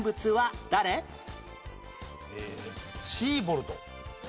えーシーボルト。